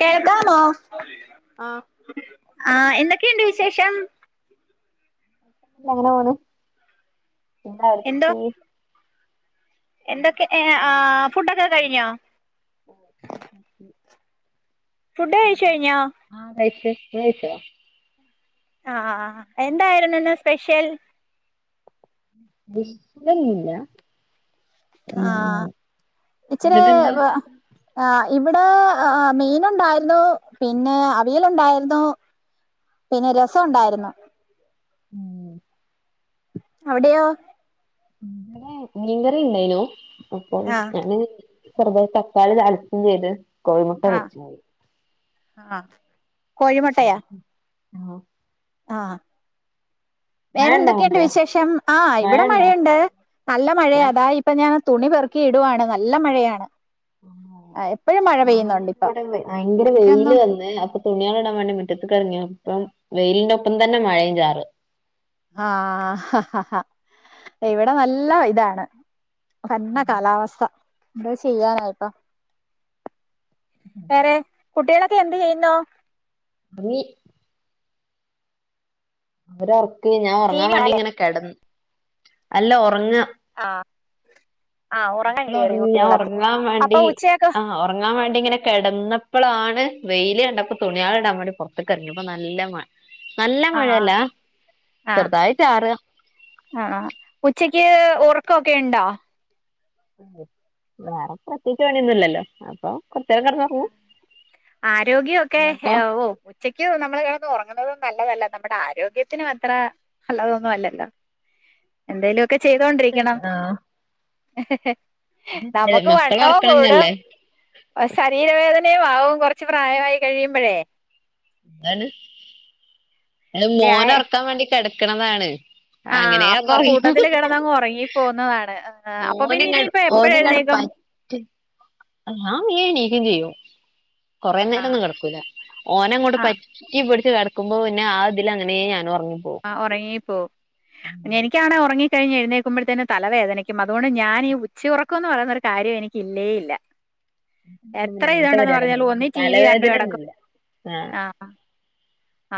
കേതമോ ആഹ് ആഹ എന്തൊക്കെയുണ്ട് വിശേഷം അങ്ങനെ പോണ് എന്താ എന്തോ [unintelligible] എന്തൊക്കെ ആ ഫുഡൊക്കെ കഴിഞ്ഞോ ഓ ഫുഡ് കഴിച്ചു കഴിഞ്ഞോ ആ തഴച്ച വിഴിച്ച [unintelligible] ആഹ എന്തായിരുന്നുന്ന് സ്പെഷ്യൽ ന്നല്ല ആഹ ഇച്ചിരെ എന്നിട്ടെന്താ ആഹ് ഇവിടെ മീനുണ്ടായ്രുന്നു. പിന്നെ അവിയലുണ്ടായിര്ന്നു. പിന്നെ രസംണ്ടായിരുന്നു. അവിടെയോ? മീങ്കറി ഇണ്ടായിനു അപ്പം ആ ഞാന് ചെറുതായി തക്കാളി താളിച്ചും ചെയ്ത് കോഴിമുട്ട പൊര്ച്ചും ആഹ് കോഴിമുട്ടയാ? ആഹ്. ആഹ്. മഴണ്ടോ വേറെന്തൊക്കെയുണ്ട് അങ്ങോട്ട് വിശേഷം? ആഹ് ഇവിടെ മഴണ്ടോ മഴയുണ്ട്. നല്ല മഴയാ മഴ അതാ ഇപ്പൊ ഞാ തുണി പെറുക്കി ഇടുവാണ് നല്ല മഴയാണ്. ആ, എപ്പോഴും മഴ പെയ്യുന്നുണ്ട് ഇപ്പം ഭയങ്കര വെയില് തുണിയൊന്നും വന്ന് അപ്പൊ തുണിയള് ഇടാൻ വേണ്ടി മിറ്റത്ത്ക്കെർങ്ങിയ പ്പം വെയിലിന്റെ ഒപ്പം തന്നെ മഴയും ചാറ. ആഹ് ഇവിടെ നല്ല ഇതാണ്. പന്ന കാലാവസ്ഥ എന്താ ചെയ്യാനായിപ്പ. ഉം കുട്ട്യാളൊക്കെ എന്ത് ചെയ്യുന്നു? ഒങ്ങി. ഓരെർക്ക് ഞാൻ ടി ഒർങ്ങാൻ വി വേണ്ടി ആണല്ലേ ഇങ്ങനെ കെടന്ന് അല്ല ഒർങ്ങ ആഹ്. ആഹ് ഉറങ്ങാൻ കേറി മക്കളൊറങ്ങി ഞാൻ കുട്ടികളൊക്കെ ഒറങ്ങാൻ അപ്പൊ വേണ്ടി ഉച്ചയൊക്കെ ആഹ് ഒറങ്ങാൻ വേണ്ടി ഇങ്ങനെ കെടന്നപ്പളാണ് വെയില് കണ്ടപ്പോ തുണിയാള് ഇടാൻ വാണ്ടി പൊറത്ത്ക്കറങ്ങി അപ്പ നല്ല മ നല്ല ആഹ് മഴല്ല ചെറ്തായി ചാറാ. ആഹ് ആഹ് ഇപ്പൊച്ചക്ക് ഒറക്കൊക്കെയ്ണ്ടോ? വേറെ പ്രത്യേകിച്ച് പണ്യൊന്നുംല്ലല്ലോ അപ്പൊ കൊറച്ചേരം കെടന്നൊറങ്ങും ആരോഗ്യൊക്കെ എ ഇങ്ങക്കോ ഓ ഉച്ചക്ക് നമ്മള് കെടന്ന് ഒറങ്ങുന്നതും നല്ലതല്ല നമ്മുടെ ആരോഗ്യത്തിനു അത്ര നല്ലതൊന്നും അല്ലല്ല എന്തേലൊ ക്കെ ചെയ്തോണ്ടിരിക്കണം. ആഹ് നമുക്ക് മക്കളെ വണ്ണോം കൂടും ഒറക്കണംന്നല്ലേ അസ് വേദനയും ആവും കൊറച്ച് പ്രായവായി കഴിയുമ്പഴേ എന്താണ് അത് വ്യായ മോനെ ഒറക്കാൻ വേണ്ടി കെടക്ക്ണതാണ്. ആഹ് അപ്പൊ കൂട്ടത്തില് കെടന്നങ്ങ് ഒറങ്ങി പോവുന്നതാണ് ആ ഓന്ങ്ങട് ഓന്ങ്ങട് പറ്റി [unintelligible] ക്കും ചെയ്യും കൊറേ നേരം ആഹ് ഒന്നും കെടക്കൂല ഓനങ്ങോട് ആഹ് പറ്റി പിടി ച്ച് കെടക്കുമ്പോ പിന്നെ ആ ഇതില് അങ്ങനേ ഞാനും ഒ ആഹ് ഒറങ്ങിപ്പോവും ന്നെ എനിക്കാണേ ഒറങ്ങി ക്കഴിഞ്ഞ് എഴ്ന്നേക്കുമ്പഴ്ത്തേന് തലവേദനിയ്ക്കും അതുകൊണ്ട് ഞാനീ ഉച്ചയുറക്കൊന്ന് പറയുന്നൊരു കാര്യം എനിക്ക് ഇല്ലേ ഇല്ല. പിന്നെ എത്ര അങ്ങനത്തെ ഇതുണ്ടന്ന് പറഞ്ഞാലും പരിപാടിയൊന്നുമില്ല ഒന്നേ ടി വി കണ്ട് തലവേദന കെടക്കും ഒന്നുമില്ല ആഹ്.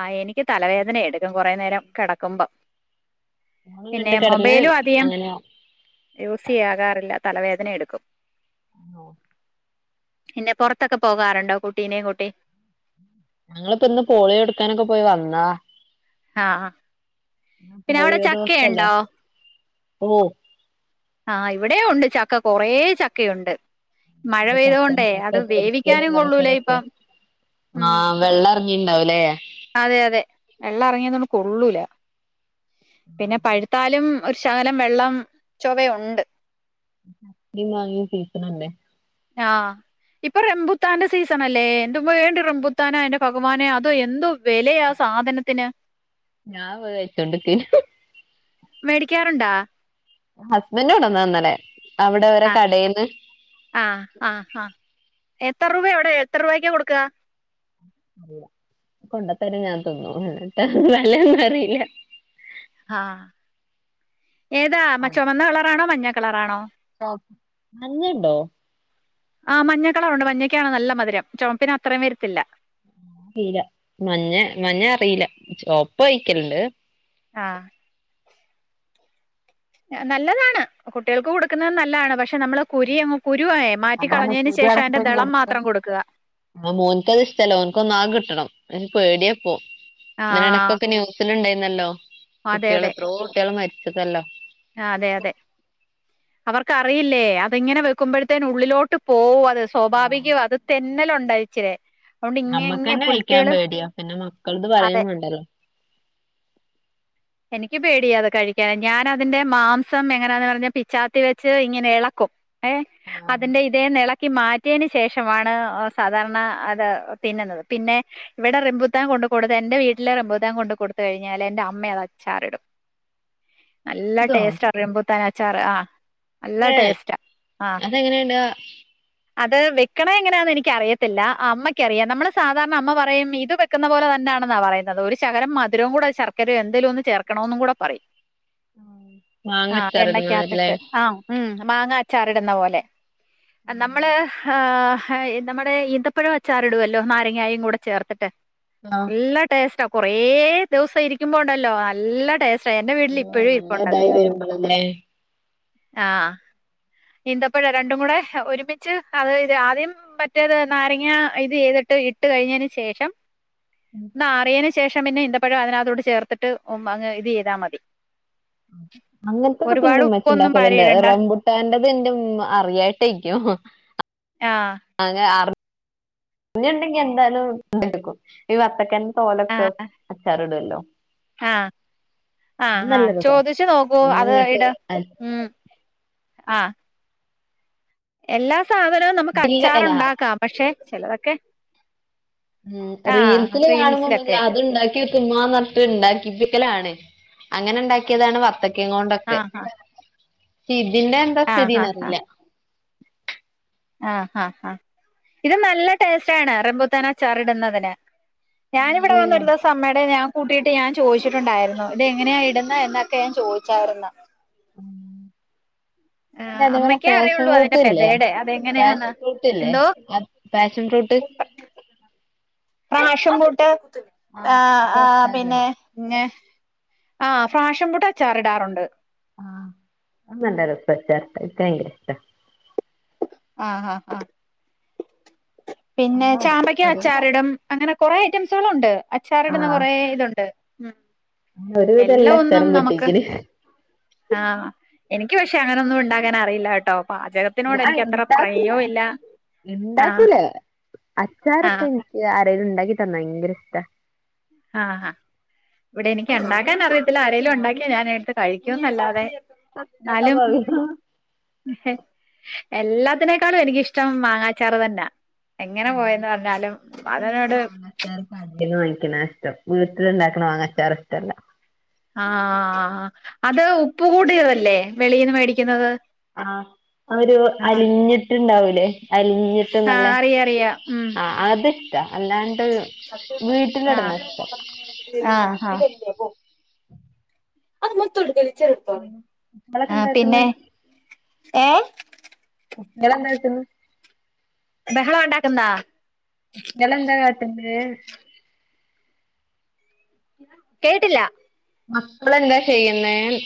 ആഹ് എനിക്ക് തലവേദന എടുക്കും കൊറേ നേരം കെടക്കുമ്പം ഫോണും പിന്നെ കണ്ട് കിടന്ന് മൊബൈലും അധികം അങ്ങനെ യൂസ്യ്യാകാറില്ല. തലവേദന എടുക്കും. ആണോ? പിന്നെ പൊറത്തൊക്കെ പോകാറുണ്ടോ കുട്ടീനേ കൂട്ടി? ഞങ്ങള്‌പ്പ ഇന്ന് പോളിയോ കൊട്ക്കാനൊക്കെ പോയി വന്നതാ. ഹാ ഇന്ന് പോളിയോ ദിവസല്ലെ ഓഹ്. ആഹ് ഇവിടെയും ഉണ്ട് ചക്ക കുറെ ചക്കയുണ്ട്. മഴ ചക്ക പെയ്തോണ്ടേ ചക്ക അത് പൊരിക്കലും വേവിക്കാനും കൊള്ളൂല ഇതാക്കലുമൊക്കെയാ ഇപ്പം ഉം ആഹ് വെള്ളേർ ഇനി ഉണ്ടാവുല്ലേ അതെ അതെ വെള്ളം ഇറങ്ങിയന്നൊ കൊള്ളൂല പിന്നെ പഴുത്താലും ഒരു ശകലം വെള്ളം ചൊവയുണ്ട്. ചക്കേം മാങ്ങേം സീസണല്ലേ ആഹ് ഇപ്പൊ റംബുത്താന്റെ സീസണ് അല്ലേ എൻ്റുമ്മ വ റംബുത്താന എന്റെ ഭഗവാനെ അതോ എന്തും വെലയാ സാധനത്തിന് ഞാൻ കഴിച്ചോണ്ടിക്കേനു മേടിക്കാറുണ്ടാ ഹസ്ബൻ്റ് കൊണ്ട് വന്നതാ ഇന്നല്ലേ അവിടെ ഓരെ ആഹ് കടേന്ന് ആഹ് ആഹ് ആഹ് എത്ര രൂപ എവിടെ എത്ര രൂപക്ക കൊടുക്കുക അറിയൂല കൊണ്ടത്തര ഞാൻ തിന്നും എന്നിട്ട് വെലയൊന്നും അറിയില്ല ആഹ് ഏതാ മ ചുമന്ന കളറാണോ മഞ്ഞ കളറാണോ ചുമപ്പ് മഞ്ഞയുണ്ടോ ആ മഞ്ഞക്കളറുണ്ട് മഞ്ഞക്കാണ് നല്ല മധുരം ചുമപ്പിന് അത്രയും വരത്തില്ല അറില മഞ്ഞ മഞ്ഞ അറിയില്ല ഒപ്പ കഴിക്കലിണ്ട് ആഹ് നല്ലതാണ് കുട്ടികൾക്ക് കൊടുക്കുന്നത് നല്ലതാണ് പക്ഷെ പക്ഷെ നമ്മള് കുരിങ്ങ് കുരുവേ അതാണ് മാറ്റിക്കളഞ്ഞതിതിന് ശേഷം അതിന്റെ ദളം മാത്രം കൊടുക്കുക ആഹ് മോന്ക്ക് അത് ഇഷ്ടമല്ല ഓന്ക്ക് ഒന്നാകെ കിട്ടണം അ പേടിയപ്പോ ആ ഇങ്ങനെ ഇടക്കൊക്കെ ന്യൂസിൽ ഉണ്ടായിരുന്നല്ലോ കുട്ടികൾ എത്രയോ കുട്ടികൾ മരിച്ചതല്ലോ ആഹ് അതെ അതെ അവർക്കറിയില്ലേ അത് ഇങ്ങനെ വെക്കുമ്പഴത്തേന് ഉള്ളിലോട്ട് പോവും അത് അത് സ്വാഭാവികവും അത് തെന്നല് ഉണ്ട് ഇച്ചിരേ നമ്മക്ക്ന്നെ കയിക്കാൻ പേടിയാ പിന്നെ മക്കളത് പറയും വേണ്ടല്ലോ [inaudible] എനിക്ക് പേടിയ അത് കഴിക്കാന് ഞാന് അതിന്റെ മാംസം എങ്ങനാന്ന് പറഞ്ഞാൽ പിച്ചാത്തി വെച്ച് ഇങ്ങനെ ഇളക്കും ഏഹ് ആഹ് അതിന്റെ ഇതേ നിള മാറ്റിയന് ശേഷമാണ് സാധാരണ അത് തിന്നുന്നത് പിന്നെ ഇവിടെ റംബുത്താൻ കൊണ്ട് കൊടുത്ത് എന്റെ വീട്ടില് റംമ്പത്താൻ കൊടുത്ത് കഴിഞ്ഞാ എന്റെ അമ്മ അത് അച്ചാറിടും നല്ല ഇതോ ടേസ്റ്റാ റംമ്പുത്താൻ അച്ചാർ ആഹ് നല്ല ഏ ടേസ്റ്റാ ആഹ് അതെങ്ങനെണ്ടാ അത് വെക്കണെ എങ്ങനാന്ന് എനിക്ക് അറിയത്തില്ല അമ്മയ്ക്കറിയാം നമ്മള് സാധാരണ അമ്മ പറയും ഇത് വെക്കുന്ന പോലെ തന്നെ എന്താണെന്നാ പറയുന്നത് ഒരു ശകരം മധുരവും കൂടെ ശർക്കര എന്തേലും ഒന്ന് ചേർക്കണമെന്ന് കൂടെ പറയും ആഹ് മാങ്ങച്ചാറിടുന്നതല്ലേ എണ്ണക്കാത്തിട്ട് ആ ഉം മാങ്ങ അച്ചാറിടുന്ന പോലെ നമ്മള് ഉം ആ ഹ്ഇ നമ്മുടെ ഈന്തപ്പഴവച്ചാറിടുവല്ലോ നാരങ്ങായും കൂടെ ചേർത്തിട്ട് നല്ല ടേസ്റ്റാ കുറേ ദിവസം ഇരിക്കുമ്പോ ഉണ്ടല്ലോ നല്ല ടേസ്റ്റ് റ്റാ എന്റെ വീട്ടില് ഇപ്പഴും നല്ല ഇരിപ്പൊണ്ടത് ഇതായി വരുമ്പളല്ലേ ആഹ് ഇന്തപ്പഴം രണ്ടും കൂടെ ഹ് ഒരുമിച്ച് അത് ഇത് ആദ്യം മറ്റേത് നാരങ്ങ ഇത് ചെയ്തി ട്ട് ഇട്ട് കഴിഞ്ഞതിന് ശേഷം ന്നാറിയേനു ശേഷം പിന്നെ ഈന്തപ്പോഴും അതിനകത്തോട്ട് ചേർത്തിട്ട് ഉം അങ്ങ് ഇത് ചെയ്താ മതി ഒരുപാട് ഉപ്പൊന്നും പാരി അങ്ങൻത്തൊക്കെത്തിന്നുംമ്മച്ചിണ്ടാക്കലുണ്ട് ഇടണ്ട റംബുട്ടാന്റെ അതിൻ്റുമ്മ അറിയായിട്ടാക്കും ഉം ആഹ് അങ്ങനെ അറ് അറിഞ്ഞിണ്ടെങ്കി എന്താലും ഉംഎടുക്കും ഈ വത്തക്കൻ തോലൊക്കെ ആഹ് അച്ചാറിടുവല്ലോ ആഹ് ആഹ് ആഹ് രസാ ചോദിച്ചു നോക്കൂ അത് ഒന്നിങ്ങട്ട് ഇട് അല്ല ഉം ആഹ് എല്ലാ സാധനവും നമുക്ക് അല്ല അച്ചാറുണ്ടാക്കാം പക്ഷെ ചിലതൊക്കെ ഉം ആഹ് റീൽസില് കാണുമ്പോ റീൽസിലൊക്കെ പിന്നെഅത്ണ്ടാക്കി ചുമ്മാന്നിട്ടുണ്ടാക്കിക്കലാണ് അങ്ങനെ ഉണ്ടാക്കിയതാണ് വത് ത്തക്കേം കൊണ്ടൊക്കെ ആഹ് ഷേഇതിന്റെ എന്താ ആഹ് ആഹ് ആഹ് സ്ഥിതിന്നറിയില്ല ആഹ് ആഹ് ആഹ് ഇത് നല്ല ടേസ്റ്റ് ആണ് റമ്പുത്താനച്ചാറിടുന്നതിന് ഞാനിവിടെ വന്നൊഒരു ദോസം അമ്മേടെന്ന് ഞാൻ കൂട്ടിയിട്ട് ഞാൻ ചോദിച്ചിട്ടുണ്ടായിരുന്നു ഇത് എങ്ങനെയാ ഇടുന്നെ എന്നൊക്കെ ഞാൻ ചോദിച്ചാരുന്ന് ഉം ആഹ് പിന്നതേപോലെ അമ്മയ്ക്കേ അറിയുള്ളൂ അതിന്റെ ഫ്രാഷംഫൂട്ട്ല്ലേ പെതേടെ അതെങ്ങനെയാന്ന് പാശൻ ഫ്രൂട്ടില്ലേ എന്തോ അ ഫാഷൻഫ്രൂ റൂട്ട് ഫ്രാഷംപൂട്ട് ആ ആഹ് അത് ആ പിന്നെ അച്ചാറിടും ന്നെ ആഹ് ഫ്രാഷംപൂട്ട് അച്ചാറിടാറുണ്ട് ആഹ് അത് നല്ലരസാച്ചാറിട്ടാ [unintelligible] ഇട്ടാ ആഹ് ആഹ് ആ പിന്നെ ചാമ്പക്ക അച്ചാറിടും അങ്ങനെ കൊറേ ഐറ്റംസുകളുണ്ട് അച്ചാറിടുന്ന ആഹ് കൊറേ ഇതുണ്ട് ഉം ഒരുവിധം എല്ലാ ഒന്നും അച്ചാറും നമുക്ക് പൊട്ടിക്കല് ആഹ് എനിക്ക് പക്ഷെ അങ്ങനൊന്നും ഉണ്ടാക്കാൻ അറിയില്ല കേട്ടോ പാചകത്തിനോട് ഞാൻ എനിക്ക് അത്ര പ്രയോം ഇല്ല ആഹ് ക്കൂലേ അച്ചാറൊക്കെ ആഹ് നിക്ക് അരേല് ഇണ്ടാക്കിത്തന്നാ ങ്കര ഇഷ്ടാ ആഹ്ഹാ ഇവിടെ എനിക്ക് ഒണ്ടാക്കാൻ അറിയത്തില്ല ആരേലുഒണ്ടാക്കിയാ ഞാനേട്ത്ത് കഴിക്കുംന്നല്ലാതെ ന്നാലും എല്ലാത്തിനേക്കാളും എനിക്കിഷ്ടം മാങ്ങാച്ചാറ് തന്നാ എങ്ങനെ ആ പോയെന്ന് പറഞ്ഞാലും എൻക്കും അതിനോട് മാങ്ങാച്ചാറ് കടേന്ന് വാങ്ങി ക്കണാഷ്ടം വീട്ടില്ണ്ടാക്കണ മാങ്ങാച്ചാറിഷ്ടല്ല ആ ആ അത് ഉപ്പ് കൂടിയതല്ലേ വെളീന്ന് മേടിക്കുന്നത് ആ അവര് ആ അലിഞ്ഞിട്ടുണ്ടാവൂലേ ആഹ് അലിഞ്ഞിട്ട്ന്നല്ലേ ആ അത് ഇഷ്ടം ആ ആആ അത് മൊത്തൊടുക്കല്ല് ചെറുപ്പം കുട്ടികളൊക്കെ ആഹ് എന്താക്ക്ന്ന് പിന്നെ ഏ ഇങ്ങളെന്താത്തിന്ന് ബഹളം ഉണ്ടാക്കുന്നാ ങ്ങളെന്താ കാട്ടുന്നേന്ന് കേട്ടില്ല മക്കളെന്താ ചെയ്യുന്നേന്ന്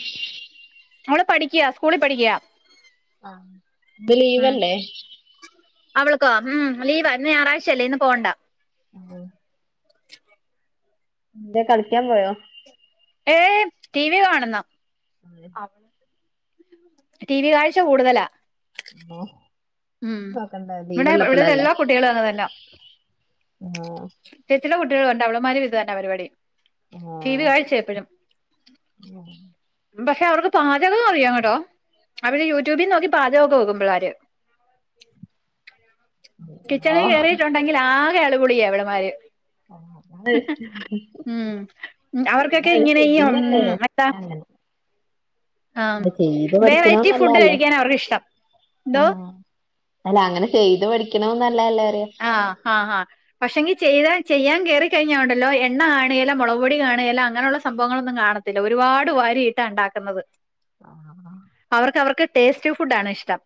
മോള് പഠിക്യാ സ്കൂളി പഠിക്യാ ആ ത് ലീവല്ലേ അവൾക്കോ ഉം ലീവാ ഇന്ന് ഞായറാഴ്ചയല്ലേ ഇന്ന് പോവണ്ട ആഹ എന്തയ് കളിക്കാൻ പോയോ ഏയ് ടി വി കാണുന്ന ടി വി കാഴ്ച കൂടുതലാ ആ ഉം ഇവിടെ ഇവിടല്ലാ കുട്ടികളും അങ്ങനെന്നെ ആഹ് ചില കുട്ടികൾണ്ട് അവളമാരും ഇത് തന്നെ പരിപാടി ആഹ ടി വി കാഴ്ച എപ്പഴും ഉ പക്ഷെ അവർക്ക് പാചകം ഓക്കേ അറിയാം കേട്ടോ അവര് യൂട്യൂബിൽ നോക്കി പാചകൊക്കെ വോക്കും പിള്ളാര് അ കിച്ചണിൽ ആഹ് കയറിയിട്ടുണ്ടെങ്കിൽ ആകെ അള്ളപുള്ളിയാ ഇവള്മാർ ഉ മ് അവർക്കൊക്കെ അത് ഇങ്ങനെ ഉ ചെയ്യുന്നല്ലേ എത്താ ഉം അങ്ങനെ ആഹ ചെയ്ത് പഠിക്കണം വെറൈറ്റി ഫുഡ് നല്ലതല്ലേ കഴിക്കാൻ അവർക്ക് ഇഷ്ടം ന്തോ ആഹ് അല്ല അങ്ങനെ ചെയ്ത് പഠിക്കണതും നല്ല ആ ആഹ ആഹ പക്ഷെങ്കി ചെയ്താ ചെയ്യാൻ കേറി കഴിഞ്ഞാലുണ്ടലോ എണ്ണ കാണയെല്ല മുളക് പൊടി കാണിയേല്ല അങ്ങനെയുള്ള സംഭവങ്ങളൊന്നും കാണത്തില്ല ഒരുപാട് വരിയിട്ടാണ്ടാക്കുന്നത് ആഹ ടേസ്റ്റ് ഫുഡാണ് ഇഷ്ടം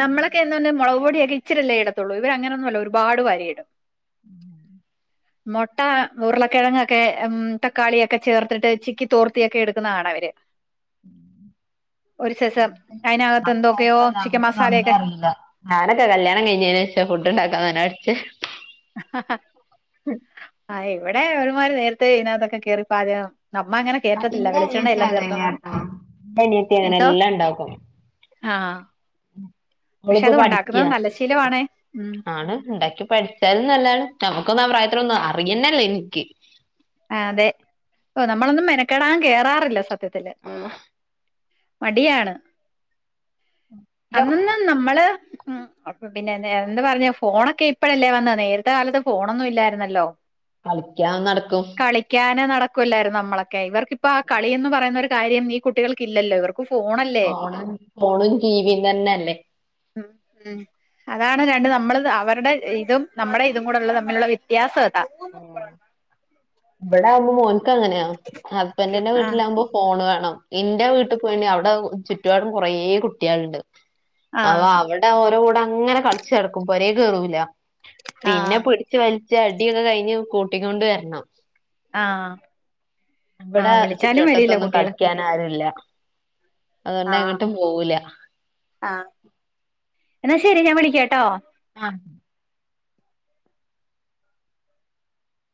നമ്മളൊക്കെ എന്ന് പറഞ്ഞ മുളക് പൊടി യൊക്കെ ഇച്ചരില്ലേടത്തുള്ളൂ ഇവ അങ്ങനൊന്നുമ ഒരുപാട് വരിയിടും ഉം മുട്ട ഉരുളക്കിഴങ്ങൊക്കെ ഉ തക്കാളിയൊക്കെ ചേർത്തിട്ട് ചിക്കി തോർത്തിയൊക്കെ എടുക്കുന്നത് കാണാ ഇ വര് ഒരു സിസം അയിന ആ കാര്യത്തിൽ ഒന്നും ഞമ്മക്കൊക്കെ ഒന്നും അറീല ഞാനൊക്കെ കല്യാണം കഴിഞ്ഞതിനു ശേഷം ഫുഡ് ഉണ്ടാക്കാൻ തന്നെ ആ ആഹ് ഇവിടെ ഒരുമാര് നേരത്തെ ഇതിനകത്തൊക്കെ കേറി പാചകം നമ്മ അങ്ങനെ കയറ്റത്തില്ല വെളിച്ചെണ്ണ എല്ലാം തീർക്കാ പറയും എന്റെ അനിയത്തി അങ്ങനെ എന്തോ എല്ലാം ഉണ്ടാക്കും ആഹ ഇവളിപ്പോ പഠിക്ക ശീലമാണേ ഉം ആണ് ഉണ്ടാക്കി പഠിച്ചാലും നല്ലതാണ് നമുക്ക് നമ്മുക്കുന്ന പ്രായത്തിലൊന്നും അറിയുന്നല്ലേ എനിക്ക് ആ അതെ ഓ നമ്മളൊന്നും മെനക്കെടാൻ കേറാറില്ല സത്യത്തില് മടിയാണ് അന്നന്ന് നമ്മള് ഉ അപ്പൊ പിന്നെ എന്താ പറഞ്ഞ ഫോണൊക്കെ ഇപ്പഴല്ലേ വന്നേ നേരത്തെ കാലത്ത് ഫോണൊന്നും ഇല്ലായിരുന്നല്ലോ കളിക്കാം നടക്കും കളിക്കാന് നടക്കൂല്ലായിരുന്നു നമ്മളൊക്കെ ഇവർക്കിപ്പോ ആ കളിഎന്നു പറയുന്നതൊരു കാര്യം ഈ കുട്ടികൾക്കില്ലല്ലോ ഇവർക്കു ഫോണും ഫോണും ടീവി തന്നെല്ലേ മ് മ് അതാണ് രണ്ട് നമ്മൾ അവരുടെ ഇതും നമ്മുടെ ഇതും കൂടെള്ള തമ്മിലുള്ള വ്യത്യാസം അത് പൂന്ന് പോറണ്ട [unintelligible] ഇവിടെ ആകുമ്പോ മോനക്ക് അങ്ങനെയാാഹസ്ബന്റിന്റെ ആഹ് വീട്ടിലാകുമ്പോ ഫോൺ വേണം എന്റെ വീട്ടിൽ പോയിണെ അവിടെ ചുറ്റുപാടും കുറേ കുട്ടികളുണ്ട് ആ ആഹ് അവിടെ ഓരോ കൂടെ അങ്ങനെ കളിച്ച നടക്കും പോരെ കേറൂല പിന്നെ ആഹ് പിടിച്ച് വലിച്ചടിച്ചു കൂട്ടിക്കൊണ്ട് വരണം ആഹ് ഇവിടെ ആഹ് വിളിച്ചാലും വരില്ല ചുറ്റുവട്ടത്തൊന്നും കുട്ടികള് കളിക്ക്യൻ ആരുല്ല അതുകൊണ്ട് ആഹ് എങ്ങട്ടും പോവൂല എന്നാ ശരി ഞാൻ വിളിക്കാട്ടോ ആഹ്